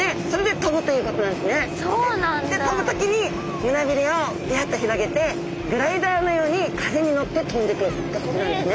飛ぶ時に胸びれをバッと広げてグライダーのように風に乗って飛んでいくんですね。